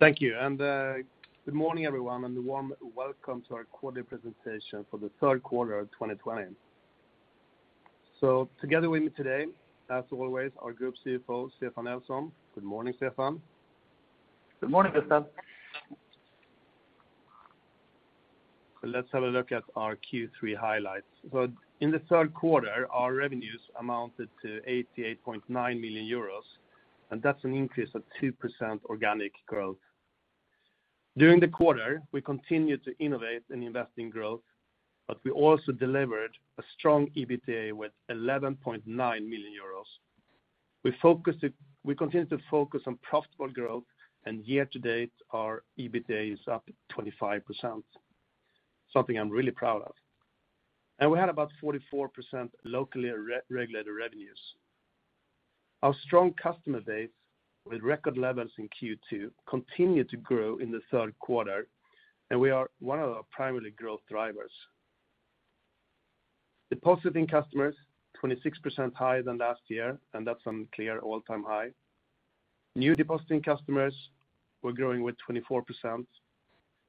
Thank you. And good morning, everyone, and a warm welcome to our quarterly presentation for the third quarter of 2020. Together with me today, as always, our Group CFO, Stefan Nelson. Good morning, Stefan. Good morning, Gustaf. Let's have a look at our Q3 highlights. In the third quarter, our revenues amounted to 88.9 million euros, and that's an increase of 2% organic growth. During the quarter, we continued to innovate and invest in growth, but we also delivered a strong EBITDA with 11.9 million euros. We continued to focus on profitable growth, year to date, our EBITDA is up 25%, something I'm really proud of. We had about 44% locally regulated revenues. Our strong customer base, with record levels in Q2, continued to grow in the third quarter, and we are one of our primary growth drivers. Depositing customers, 26% higher than last year, and that's a clear all-time high. New depositing customers were growing with 24%.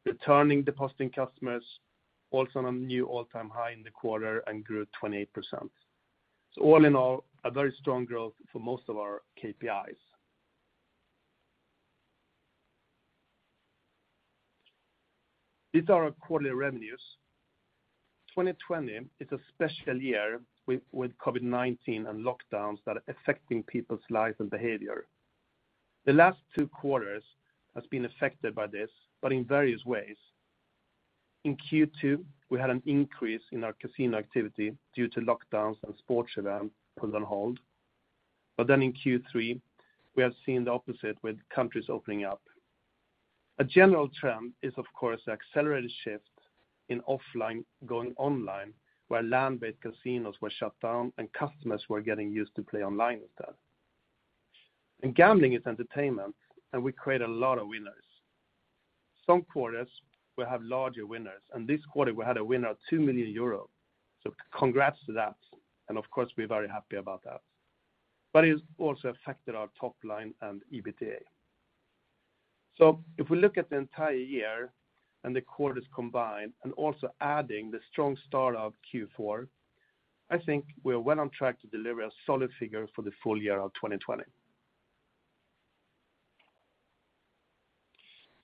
Returning depositing customers, also on a new all-time high in the quarter and grew at 28%. All in all, a very strong growth for most of our KPIs. These are our quarterly revenues. 2020 is a special year with COVID-19 and lockdowns that are affecting people's lives and behavior. The last two quarters has been affected by this, but in various ways. In Q2, we had an increase in our casino activity due to lockdowns and sports events put on hold. In Q3, we have seen the opposite with countries opening up. A general trend is, of course, the accelerated shift in offline going online, where land-based casinos were shut down and customers were getting used to play online with that. Gambling is entertainment, and we create a lot of winners. Some quarters we have larger winners, and this quarter we had a winner of 2 million euros. Congrats to that, and of course, we're very happy about that. But it also affected our top-line and EBITDA. If we look at the entire year and the quarters combined, and also adding the strong start of Q4, I think we are well on track to deliver a solid figure for the full year of 2020.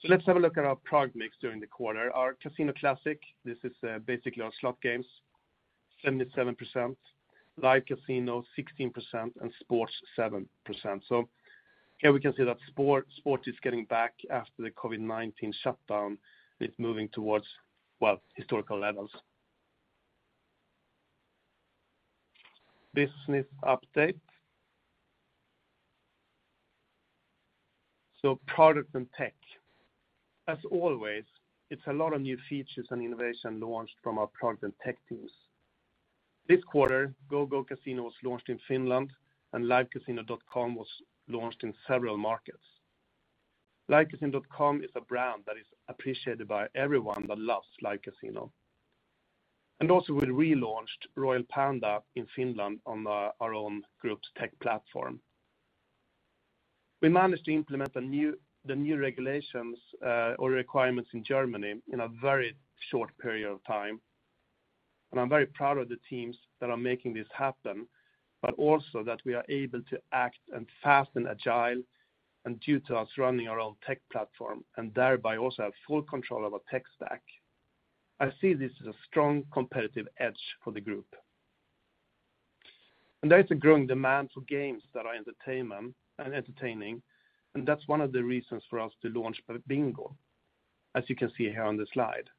Let's have a look at our product mix during the quarter. Our Casino Classic, this is basically our slot games, 77%, Live Casino 16%, and Sports 7%. Here we can see that Sports is getting back after the COVID-19 shutdown. It's moving towards, well, historical levels. Business update. Product and tech. As always, it's a lot of new features and innovation launched from our product and tech teams. This quarter, GoGoCasino was launched in Finland, and livecasino.com was launched in several markets. Livecasino.com is a brand that is appreciated by everyone that loves Live Casino.Also we relaunched Royal Panda in Finland on our own group's tech platform. We managed to implement the new regulations, or requirements in Germany in a very short period of time, I'm very proud of the teams that are making this happen, but also that we are able to act and fast and agile, due to us running our own tech platform and thereby also have full control of our tech stack. I see this as a strong competitive edge for the group. There is a growing demand for games that are entertainment and entertaining, that's one of the reasons for us to launch Bingo, as you can see here on the slide.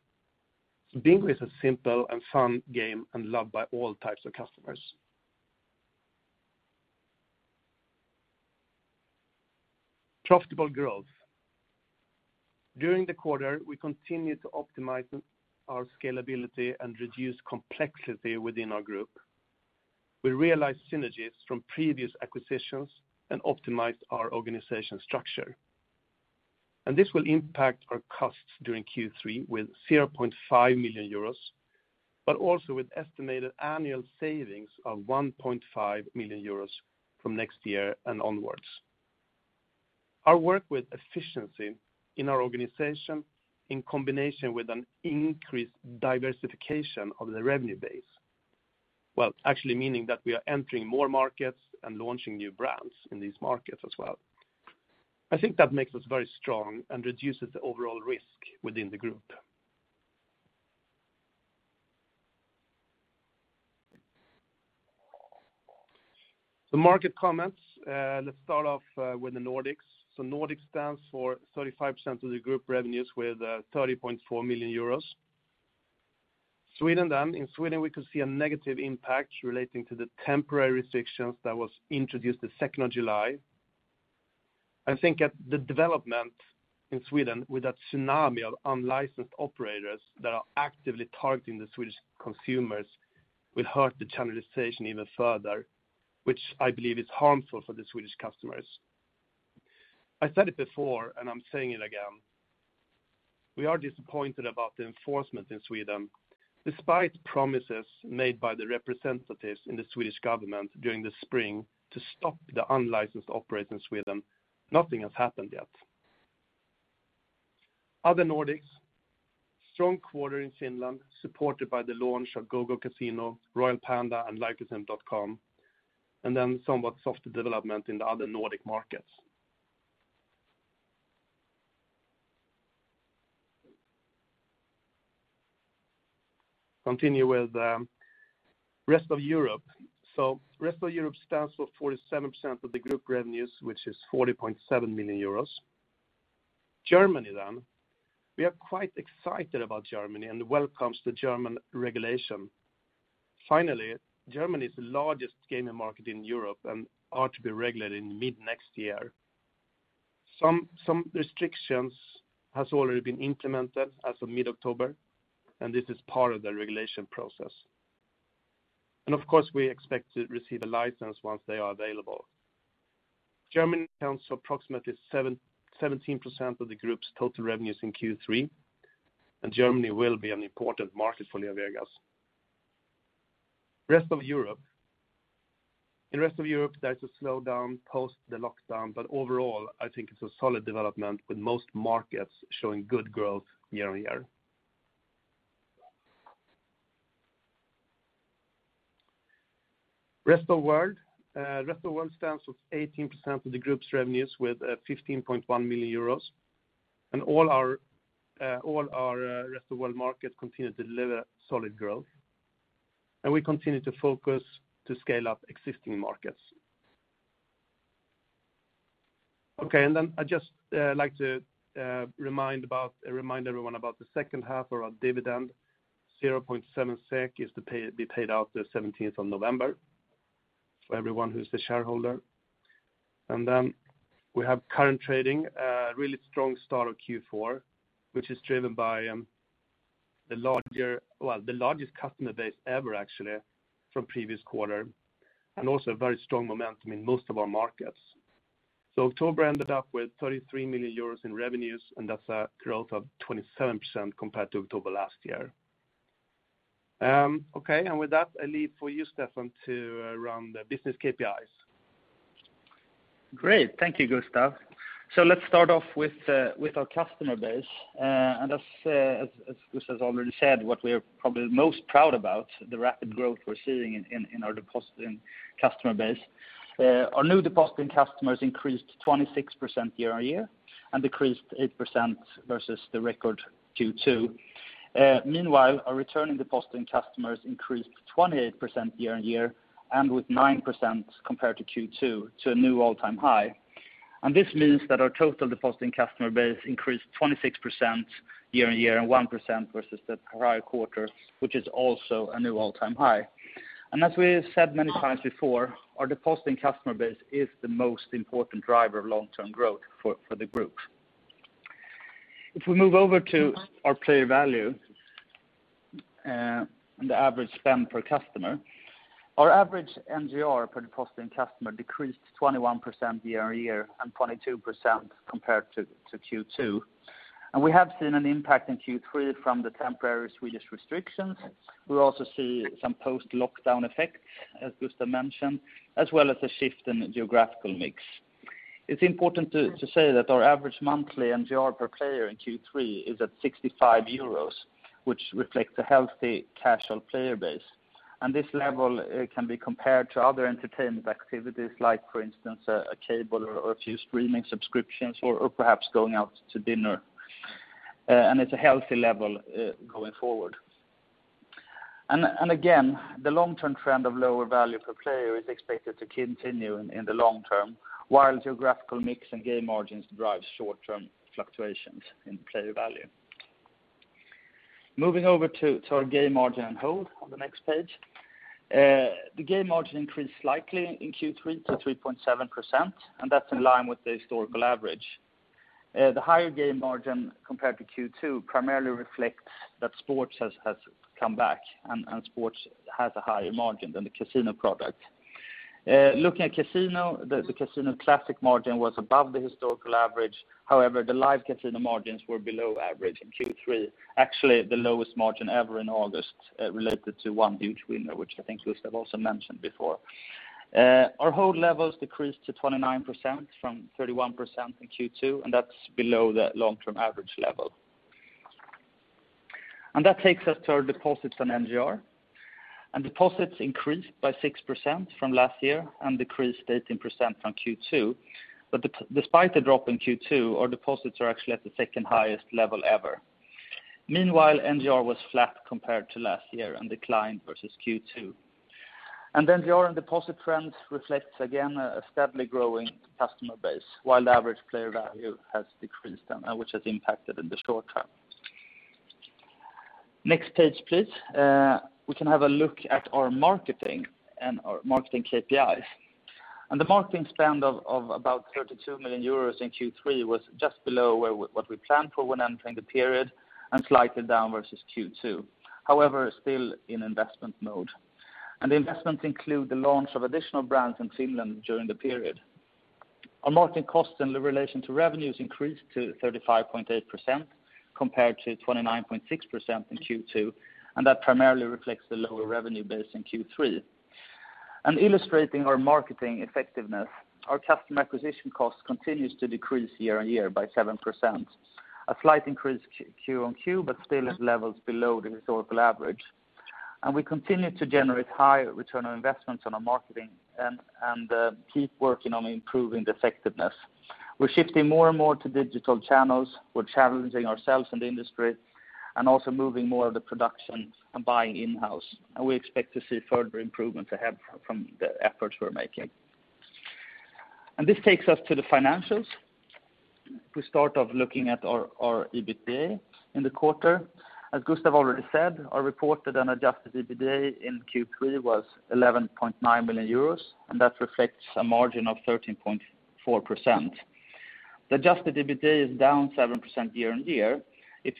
Bingo is a simple and fun game and loved by all types of customers. Profitable growth. During the quarter, we continued to optimize our scalability and reduce complexity within our group. We realized synergies from previous acquisitions and optimized our organization structure. This will impact our costs during Q3 with 0.5 million euros, but also with estimated annual savings of 1.5 million euros from next year and onwards. Our work with efficiency in our organization in combination with an increased diversification of the revenue base, well, actually meaning that we are entering more markets and launching new brands in these markets as well. I think that makes us very strong and reduces the overall risk within the group. Market comments. Let's start off with the Nordics. Nordics stands for 35% of the group revenues with 30.4 million euros. Sweden. In Sweden, we could see a negative impact relating to the temporary restrictions that was introduced the 2nd of July. I think at the development in Sweden with that tsunami of unlicensed operators that are actively targeting the Swedish consumers will hurt the channelization even further, which I believe is harmful for the Swedish customers. I said it before and I'm saying it again. We are disappointed about the enforcement in Sweden. Despite promises made by the representatives in the Swedish government during the spring to stop the unlicensed operators in Sweden, nothing has happened yet. Other Nordics, strong quarter in Finland, supported by the launch of GoGoCasino, Royal Panda, and livecasino.com, and then somewhat softer development in the other Nordic markets. Continue with Rest of Europe. Rest of Europe stands for 47% of the group revenues, which is 40.7 million euros. Germany. We are quite excited about Germany and welcome the German regulation. Finally, Germany is the largest gaming market in Europe and are to be regulated in mid next year. Some restrictions have already been implemented as of mid-October, this is part of the regulation process. Of course, we expect to receive a license once they are available. Germany accounts for approximately 17% of the group's total revenues in Q3, and Germany will be an important market for LeoVegas. Rest of Europe. In Rest of Europe, there is a slowdown post the lockdown, but overall, I think it's a solid development with most markets showing good growth year-on-year. Rest of World. Rest of World stands for 18% of the group's revenues with 15.1 million euros. All our Rest of World markets continue to deliver solid growth. We continue to focus to scale up existing markets. I'd just like to remind everyone about the second half of our dividend. 0.7 SEK is to be paid out the 17th of November for everyone who is a shareholder. We have current trading, a really strong start of Q4, which is driven by the largest customer base ever, actually, from previous quarter, and also very strong momentum in most of our markets. October ended up with 33 million euros in revenues, and that's a growth of 27% compared to October last year. With that, I leave for you, Stefan, to run the business KPIs. Great. Thank you, Gustaf. Let's start off with our customer base. As Gustaf has already said, what we are probably most proud about, the rapid growth we're seeing in our depositing customer base. Our new depositing customers increased 26% year-on-year and decreased 8% versus the record Q2. Meanwhile, our returning depositing customers increased 28% year-on-year and with 9% compared to Q2 to a new all-time high. This means that our total depositing customer base increased 26% year-on-year and 1% versus the prior quarter, which is also a new all-time high. As we have said many times before, our depositing customer base is the most important driver of long-term growth for the group. If we move over to our player value and the average spend per customer, our average NGR per depositing customer decreased 21% year-on-year and 22% compared to Q2. We have seen an impact in Q3 from the temporary Swedish restrictions. We also see some post-lockdown effect, as Gustaf mentioned, as well as a shift in geographical mix. It's important to say that our average monthly NGR per player in Q3 is at 65 euros, which reflects a healthy casual player base. This level can be compared to other entertainment activities like, for instance, a cable or a few streaming subscriptions or perhaps going out to dinner. It's a healthy level going forward. Again, the long-term trend of lower value per player is expected to continue in the long term, while geographical mix and game margins drive short-term fluctuations in player value. Moving over to our game margin and hold on the next page. The game margin increased slightly in Q3 to 3.7%, and that's in line with the historical average. The higher game margin compared to Q2 primarily reflects that sports has come back, and sports has a higher margin than the casino product. Looking at casino, the Casino Classic margin was above the historical average. However, the Live Casino margins were below average in Q3, actually the lowest margin ever in August, related to one huge winner, which I think Gustaf also mentioned before. Our hold levels decreased to 29% from 31% in Q2, and that's below the long-term average level. That takes us to our deposits on NGR. Deposits increased by 6% from last year and decreased 18% from Q2. Despite the drop in Q2, our deposits are actually at the second highest level ever. Meanwhile, NGR was flat compared to last year and declined versus Q2. The NGR and deposit trends reflects again a steadily growing customer base, while the average player value has decreased, which has impacted in the short term. Next page, please. We can have a look at our marketing and our marketing KPIs. The marketing spend of about 32 million euros in Q3 was just below what we planned for when entering the period and slightly down versus Q2. However, still in investment mode. The investment include the launch of additional brands in Finland during the period. Our marketing costs in relation to revenues increased to 35.8% compared to 29.6% in Q2, and that primarily reflects the lower revenue base in Q3. Illustrating our marketing effectiveness, our customer acquisition cost continues to decrease year-on-year by 7%. A slight increase Q-on-Q, still at levels below the historical average. We continue to generate high return on investments on our marketing and keep working on improving the effectiveness. We're shifting more and more to digital channels. We're challenging ourselves and the industry, also moving more of the production and buying in-house. We expect to see further improvements ahead from the efforts we're making. This takes us to the financials. We start off looking at our EBITDA in the quarter. As Gustaf already said, our reported and Adjusted EBITDA in Q3 was 11.9 million euros, that reflects a margin of 13.4%. The Adjusted EBITDA is down 7% year-on-year. If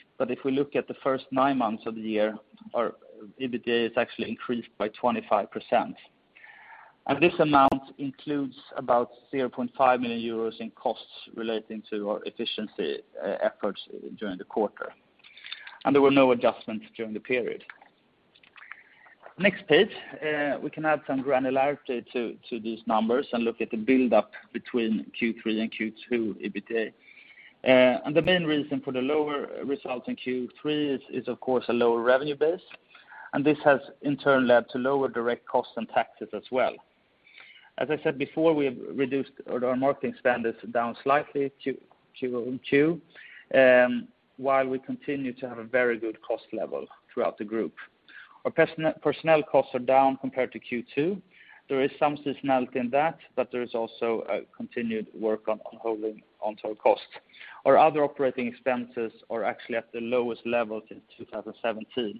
we look at the first nine months of the year, our EBITDA is actually increased by 25%. And this amount includes about 0.5 million euros in costs relating to our efficiency efforts during the quarter. There were no adjustments during the period. Next page, we can add some granularity to these numbers and look at the buildup between Q3 and Q2 EBITDA. The main reason for the lower result in Q3 is of course a lower revenue base, and this has in turn led to lower direct costs and taxes as well. As I said before, we have reduced our marketing spend is down slightly Q on Q, while we continue to have a very good cost level throughout the group. Our personnel costs are down compared to Q2. There is some seasonality in that, but there is also a continued work on holding onto our costs. Our other operating expenses are actually at the lowest level since 2017,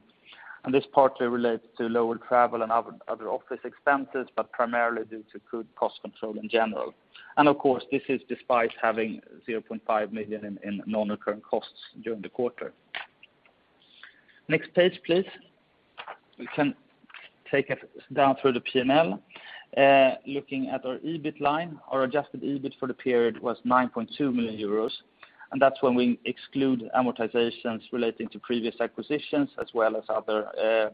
and this partly relates to lower travel and other office expenses, but primarily due to good cost control in general. Of course, this is despite having 0.5 million in non-recurring costs during the quarter. Next page, please. We can take it down through the P&L. Looking at our EBIT line, our adjusted EBIT for the period was 9.2 million euros, and that's when we exclude amortizations relating to previous acquisitions as well as other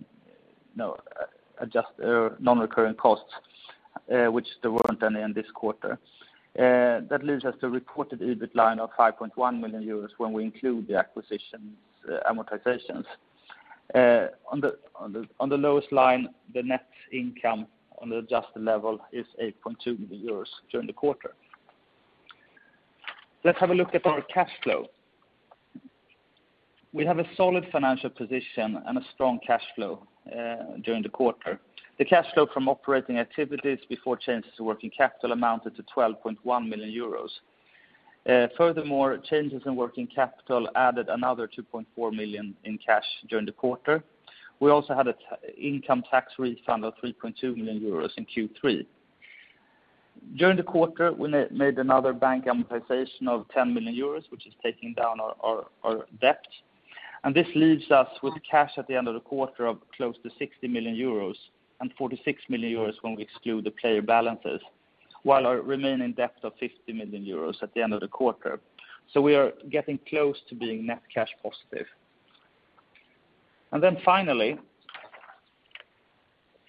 non-recurring costs which there weren't any in this quarter. That leaves us with a reported EBIT line of 5.1 million euros when we include the acquisitions amortizations. On the lowest line, the net income on the adjusted level is 8.2 million during the quarter. Let's have a look at our cash flow. We have a solid financial position and a strong cash flow during the quarter. The cash flow from operating activities before changes to working capital amounted to 12.1 million euros. Furthermore, changes in working capital added another 2.4 million in cash during the quarter. We also had an income tax refund of 3.2 million euros in Q3. During the quarter, we made another bank amortization of 10 million euros, which is taking down our debt. This leaves us with cash at the end of the quarter of close to 60 million euros, and 46 million euros when we exclude the player balances, while our remaining debt of 50 million euros at the end of the quarter. We are getting close to being net cash positive. Then finally,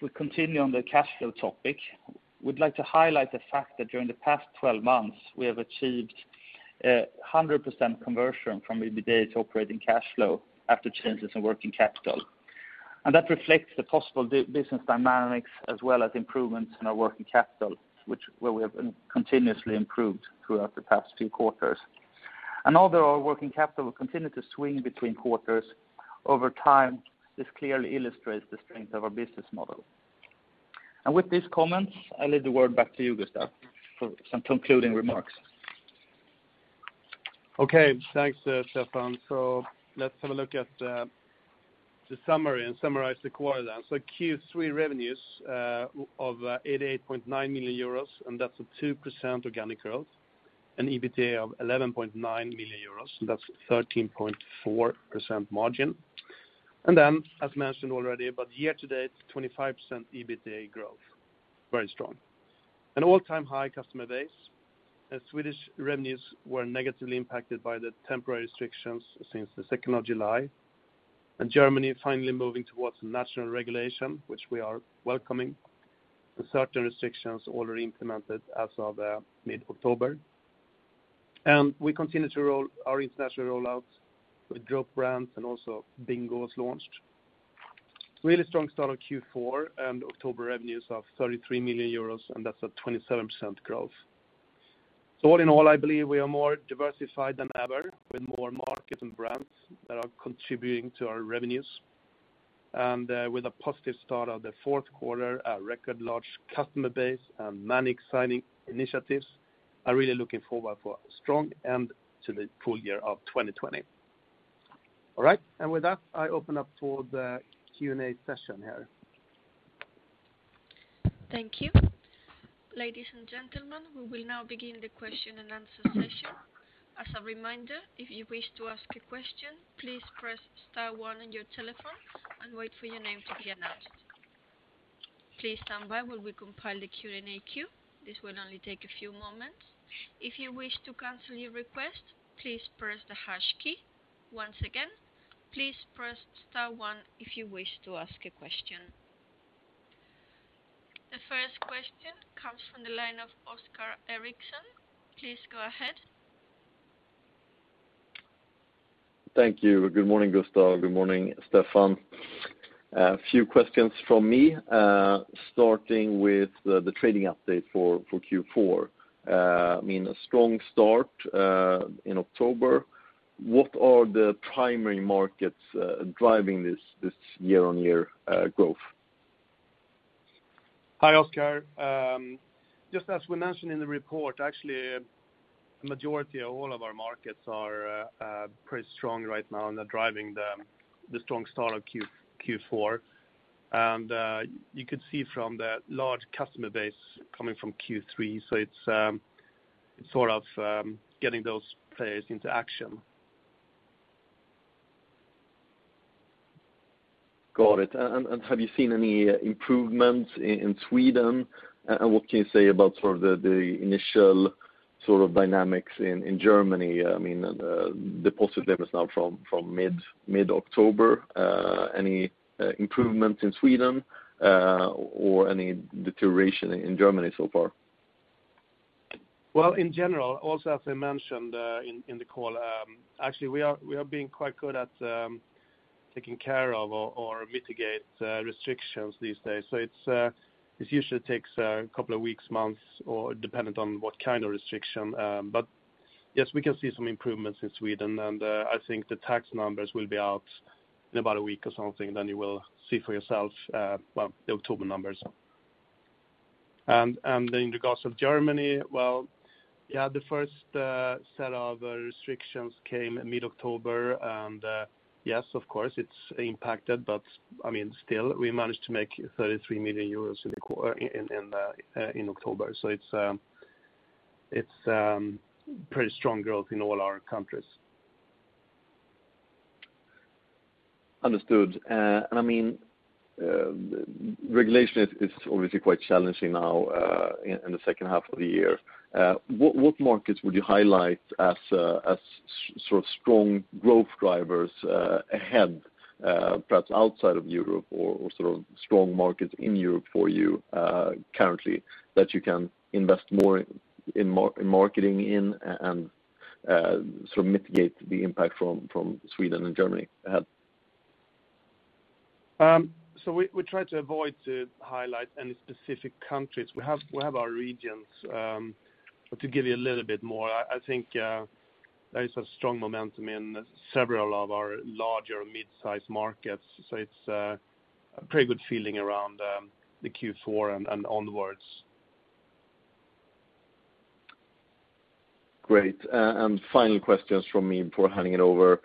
we continue on the cash flow topic. We'd like to highlight the fact that during the past 12 months, we have achieved 100% conversion from EBITDA to operating cash flow after changes in working capital. That reflects the positive business dynamics as well as improvements in our working capital, where we have continuously improved throughout the past few quarters. Although our working capital will continue to swing between quarters, over time, this clearly illustrates the strength of our business model. With these comments, I leave the word back to you, Gustaf, for some concluding remarks. Okay. Thanks, Stefan. Let's have a look at the summary and summarize the quarter then. Q3 revenues of 88.9 million euros, and that's a 2% organic growth. An EBITDA of 11.9 million euros. That's 13.4% margin. As mentioned already, but year to date, 25% EBITDA growth. Very strong. An all-time high customer base. Swedish revenues were negatively impacted by the temporary restrictions since the 2nd of July. And Germany finally moving towards national regulation, which we are welcoming with certain restrictions already implemented as of mid-October. We continue our international rollouts with brand and also Bingo was launched. Really strong start of Q4, and October revenues of 33 million euros, and that's a 27% growth. All in all, I believe we are more diversified than ever with more markets and brands that are contributing to our revenues. With a positive start of the fourth quarter, a record large customer base and many exciting initiatives, I'm really looking forward for a strong end to the full year of 2020. All right. With that, I open up for the Q&A session here. Thank you. Ladies and gentlemen, we will now begin the question and answer session. As a reminder, if you wish to ask a question, please press star one on your telephone and wait for your name to be announced. Please stand by as we compile the Q&A queue this will only take a moment. If you wish to cancel your request, please press the hash key. Once again, please press star one if you wish to ask a question. The first question comes from the line of Oscar Erixon. Please go ahead. Thank you. Good morning, Gustaf. Good morning, Stefan. A few questions from me, starting with the trading update for Q4. A strong start in October. What are the primary markets driving this year-on-year growth? Hi, Oskar. Just as we mentioned in the report, actually, majority of all of our markets are pretty strong right now and are driving the strong start of Q4. You could see from the large customer base coming from Q3, so it's sort of getting those players into action. Got it. Have you seen any improvements in Sweden? What can you say about sort of the initial sort of dynamics in Germany? The positive difference now from mid-October. Any improvement in Sweden or any deterioration in Germany so far? Well in general, also as I mentioned in the call, actually we are being quite good at taking care of or mitigate restrictions these days. It usually takes a couple of weeks, months, or dependent on what kind of restriction. Yes, we can see some improvements in Sweden, and I think the tax numbers will be out in about a week or something. You will see for yourself the October numbers. And in regards of Germany, well, yeah, the first set of restrictions came mid-October, and yes, of course, it's impacted, but still, we managed to make 33 million euros in October. It's pretty strong growth in all our countries. Understood. Regulation is obviously quite challenging now in the second half of the year. What markets would you highlight as sort of strong growth drivers ahead, perhaps outside of Europe or sort of strong markets in Europe for you currently that you can invest more in marketing in and sort of mitigate the impact from Sweden and Germany ahead? We try to avoid to highlight any specific countries. We have our regions. To give you a little bit more, I think there is a strong momentum in several of our larger mid-size markets. It's a pretty good feeling around the Q4 and onwards. Great. Final questions from me before handing it over.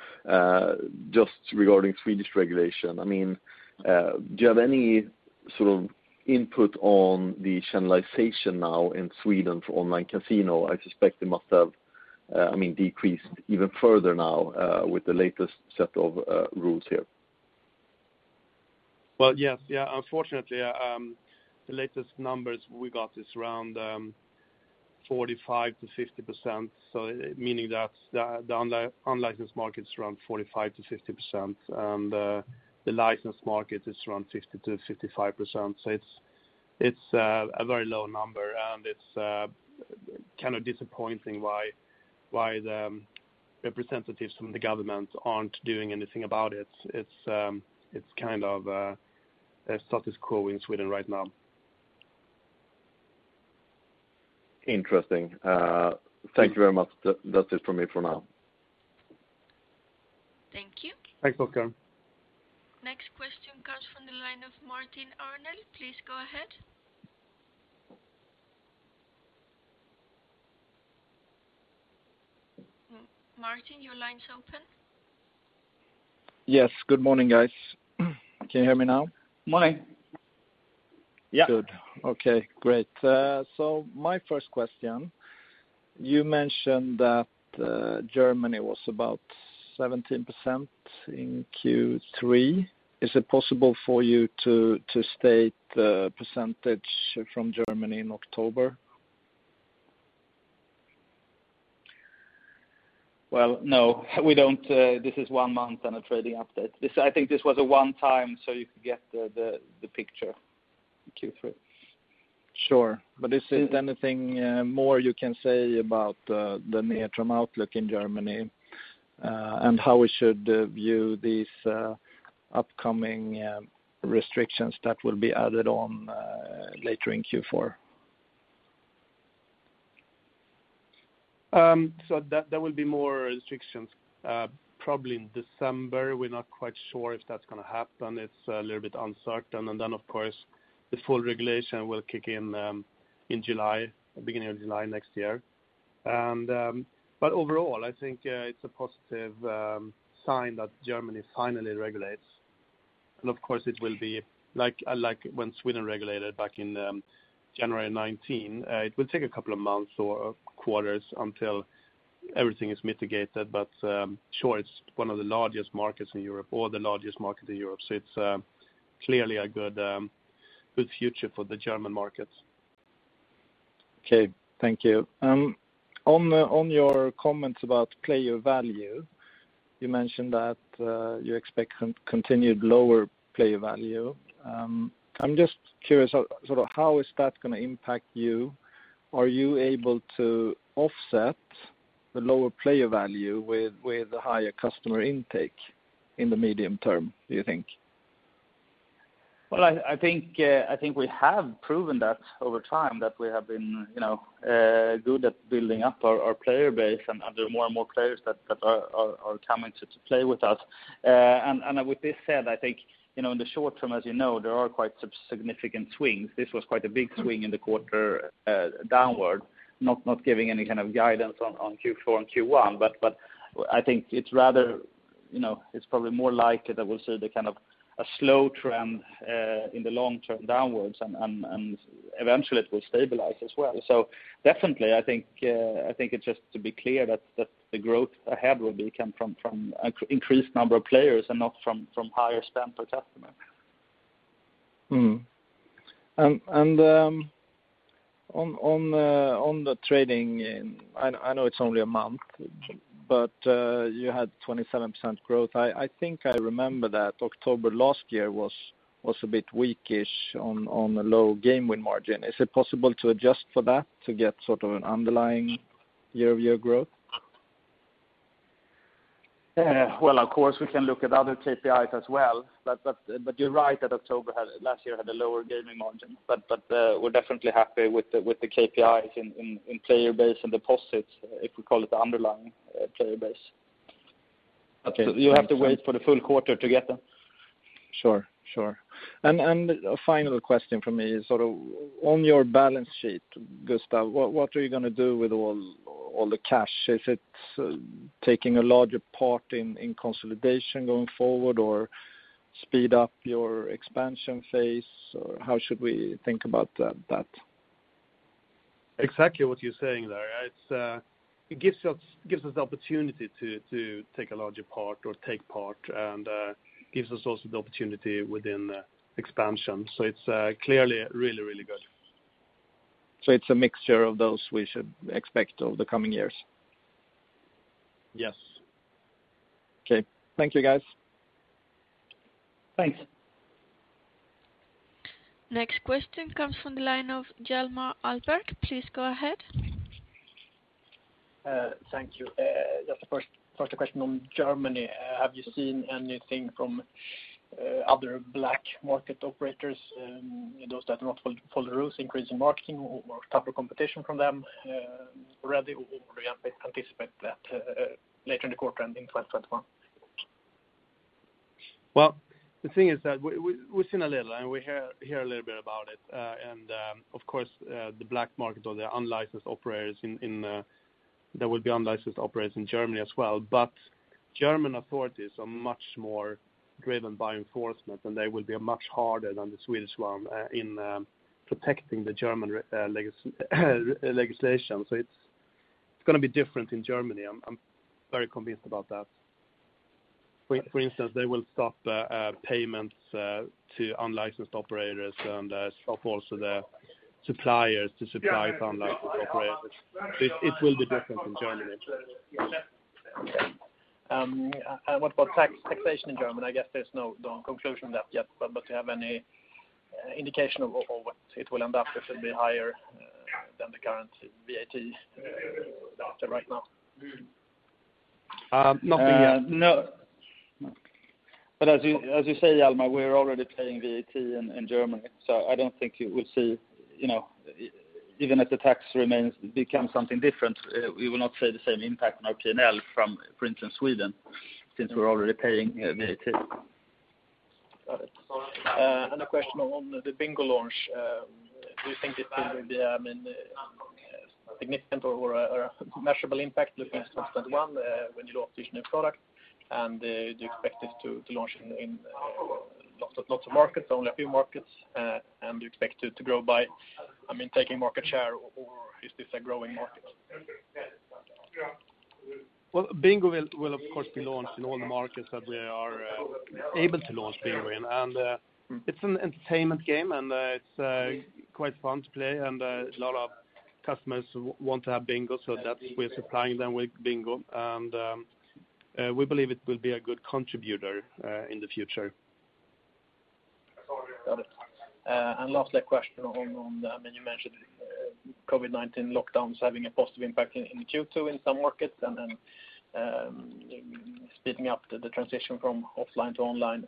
Just regarding Swedish regulation, do you have any sort of input on the channelization now in Sweden for online casino? I suspect it must have decreased even further now with the latest set of rules here. Well, yes. Unfortunately, the latest numbers we got is around 45%-50%. Meaning that the unlicensed market is around 45%-50%, and the licensed market is around 50%-55%. It's a very low number, and it's kind of disappointing why the representatives from the government aren't doing anything about it. It's kind of a status quo in Sweden right now. Interesting. Thank you very much. That's it from me for now. Thank you. Thanks, Oskar. Next question comes from the line of Martin Arnell. Please go ahead. Martin, your line's open. Yes. Good morning, guys. Can you hear me now? Morning. Yeah. Good. Okay, great. My first question, you mentioned that Germany was about 17% in Q3. Is it possible for you to state the percentage from Germany in October? Well, no. This is one month and a trading update. I think this was a one-time so you could get the picture in Q3. Sure. Is there anything more you can say about the near-term outlook in Germany, and how we should view these upcoming restrictions that will be added on later in Q4? There will be more restrictions probably in December. We're not quite sure if that's going to happen. It's a little bit uncertain. Then of course, the full regulation will kick in July, beginning of July next year. Overall, I think it's a positive sign that Germany finally regulates. Of course it will be like when Sweden regulated back in January 2019. It will take a couple of months or quarters until everything is mitigated. Sure, it's one of the largest markets in Europe or the largest market in Europe. It's clearly a good future for the German markets. Okay, thank you. On your comments about player value, you mentioned that you expect continued lower player value. I'm just curious, how is that going to impact you? Are you able to offset the lower player value with the higher customer intake in the medium term, do you think? Well, I think we have proven that over time that we have been good at building up our player base and there are more and more players that are coming to play with us. With this said, I think, in the short term, as you know, there are quite significant swings. This was quite a big swing in the quarter downward, not giving any kind of guidance on Q4 and Q1, but I think it's probably more likely that we'll see the kind of a slow trend in the long term downwards, and eventually it will stabilize as well. Definitely, I think it's just to be clear that the growth ahead will come from increased number of players and not from higher spend per customer. On the trading, I know it's only a month, but you had 27% growth. I think I remember that October last year was a bit weakish on a low game win margin. Is it possible to adjust for that to get sort of an underlying year-over-year growth? Well, of course, we can look at other KPIs as well. You're right that October last year had a lower gaming margin. We're definitely happy with the KPIs in player base and deposits, if we call it the underlying player base. Okay. You have to wait for the full quarter to get that. Sure. A final question from me is on your balance sheet, Gustaf, what are you going to do with all the cash? Is it taking a larger part in consolidation going forward or speed up your expansion phase? Or how should we think about that? Exactly what you're saying there. It gives us the opportunity to take a larger part or take part and gives us also the opportunity within expansion. It's clearly really good. It's a mixture of those we should expect over the coming years? Yes. Okay. Thank you, guys. Thanks. Next question comes from the line of Hjalmar Ahlberg. Please go ahead. Thank you. Just first question on Germany. Have you seen anything from other black market operators, those that do not follow the rules, increase in marketing or tougher competition from them already, or you anticipate that later in the quarter and in 2021? Well, the thing is that we've seen a little and we hear a little bit about it. Of course, the black market or the unlicensed operators, there will be unlicensed operators in Germany as well, but German authorities are much more driven by enforcement, and they will be much harder than the Swedish one in protecting the German legislation. It's going to be different in Germany. I'm very convinced about that. For instance, they will stop payments to unlicensed operators and stop also the suppliers to supply to unlicensed operators. It will be different in Germany. What about taxation in Germany? I guess there's no conclusion on that yet, but do you have any indication of what it will end up? If it'll be higher than the current VAT rate right now? Not yet. As you say, Hjalmar, we're already paying VAT in Germany, so I don't think you will see, even if the tax remains, become something different, we will not see the same impact on our P&L from, for instance, Sweden, since we're already paying VAT. Got it. A question on the Bingo launch. Do you think it will be, I mean, significant or a measurable impact looking at 2021 when you launch this new product? Do you expect it to launch in lots of markets, only a few markets? Do you expect it to grow by taking market share, or is this a growing market? Well, Bingo will of course be launched in all the markets that we are able to launch Bingo in. It's an entertainment game, and it's quite fun to play, and a lot of customers want to have Bingo, so that we're supplying them with Bingo. We believe it will be a good contributor in the future. Got it. Lastly, a question on, you mentioned COVID-19 lockdowns having a positive impact in Q2 in some markets and then speeding up the transition from offline to online.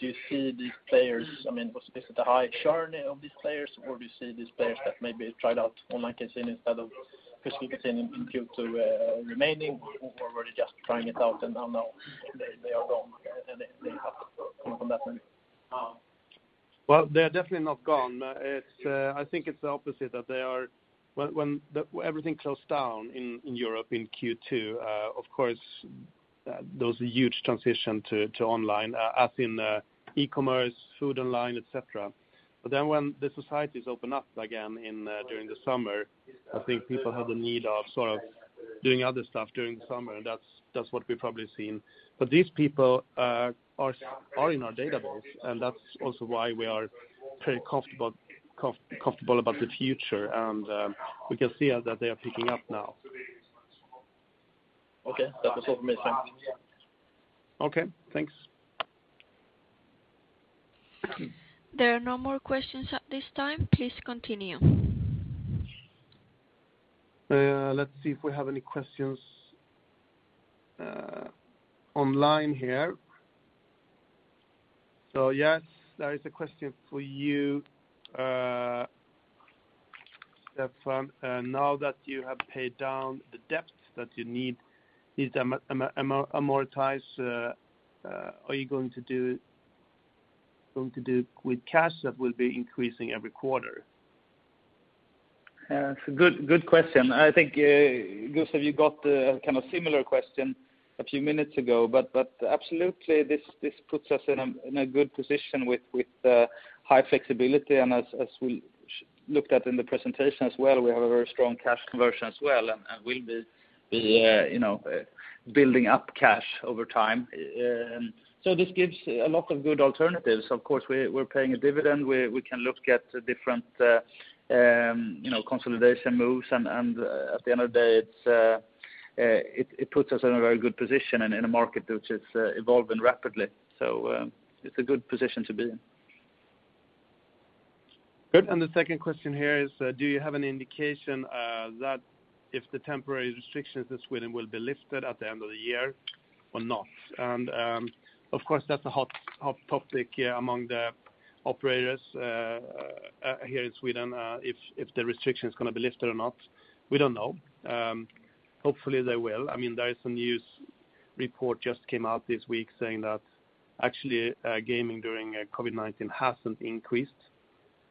Do you see these players, I mean, was this the high churn of these players, or do you see these players that maybe tried out online casino instead of physical casino in Q2 remaining, or were they just trying it out and now they are gone, and they have come from that then? Well, they are definitely not gone. I think it's the opposite. When everything closed down in Europe in Q2, of course, there was a huge transition to online, as in e-commerce, food online, et cetera. When the societies opened up again during the summer. I think people have the need of doing other stuff during the summer, and that's what we've probably seen. These people are in our database, and that's also why we are pretty comfortable about the future. We can see that they are picking up now. Okay. That was all from me, thanks. Okay, thanks. There are no more questions at this time. Please continue. Let's see if we have any questions online here. Yes, there is a question for you, Stefan. Now that you have paid down the debt that you need to amortize, are you going to do with cash that will be increasing every quarter? Yeah, it's a good question. I think, Gustaf, you got a similar question a few minutes ago. Absolutely, this puts us in a good position with high flexibility, and as we looked at in the presentation as well, we have a very strong cash conversion as well and will be building up cash over time. This gives a lot of good alternatives. Of course, we're paying a dividend. We can look at different consolidation moves, and at the end of the day, it puts us in a very good position in a market which is evolving rapidly. It's a good position to be in. Good. The second question here is, do you have any indication that if the temporary restrictions in Sweden will be lifted at the end of the year or not? Of course, that's a hot topic here among the operators here in Sweden. If the restriction is going to be lifted or not, we don't know. Hopefully, they will. There is some news report just came out this week saying that actually, gaming during COVID-19 hasn't increased.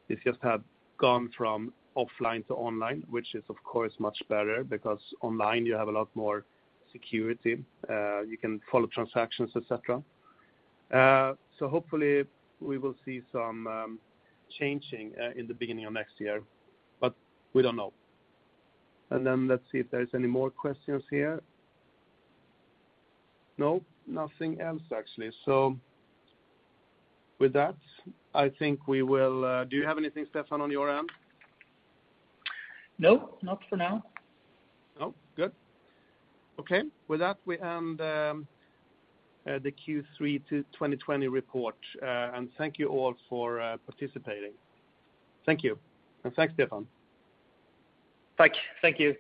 It just had gone from offline to online, which is, of course, much better because online you have a lot more security. You can follow transactions, et cetera. Hopefully, we will see some changing in the beginning of next year, but we don't know. And then let's see if there's any more questions here. No, nothing else, actually. With that, Do you have anything, Stefan, on your end? No, not for now. No. Good. Okay. With that, we end the Q3 2020 report. Thank you all for participating. Thank you, and thanks, Stefan. Thank you.